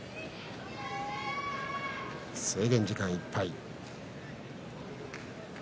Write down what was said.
制限時間いっぱい。